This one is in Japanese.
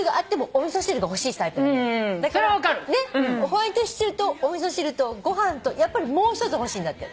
ホワイトシチューとお味噌汁とご飯とやっぱりもう一つ欲しいんだって。